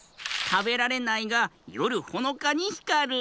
たべられないがよるほのかにひかる。